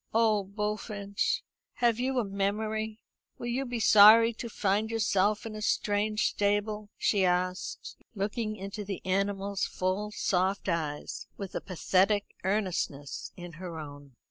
"Oh, Bullfinch, have you a memory? Will you be sorry to find yourself in a strange stable?" she asked, looking into the animal's full soft eyes with a pathetic earnestness in her own.